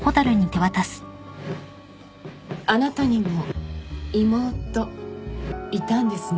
あなたにも妹いたんですね。